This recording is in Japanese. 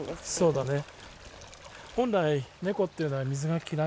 そうだね。